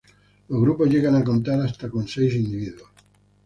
Los grupos llegan a contar hasta con seis individuos.